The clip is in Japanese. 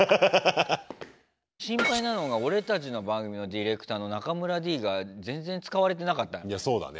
心配なのが俺たちの番組のディレクターの中村Ｄが全然使われてなかったね。